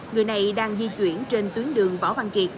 người này đang di chuyển trên tuyến đường võ văn kiệt